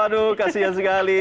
waduh kasihan sekali